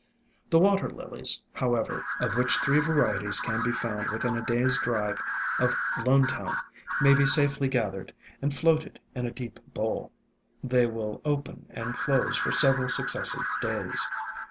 The Water Lilies, however, of which three va rieties can be found within a day's drive of Lone town, may be safely gathered, and floated in a deep bowl ; they will open and close for several successive days.